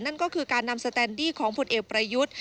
นั่นก็คือการนำสแตนดี้ของผลเอกประยุทธ์